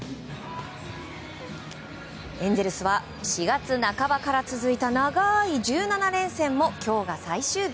エンゼルスは４月半ばから続いた長い１７連戦も今日が最終日。